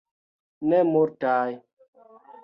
Ne multaj.